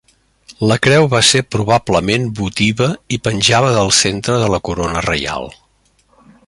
La creu va ser probablement votiva i penjava del centre de la corona reial.